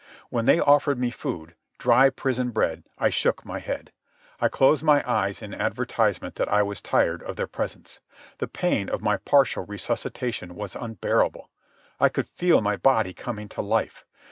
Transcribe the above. When they offered me food—dry prison bread—I shook my head. I closed my eyes in advertisement that I was tired of their presence. The pain of my partial resuscitation was unbearable. I could feel my body coming to life.